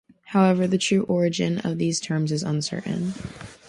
However the true origin of these terms is uncertain.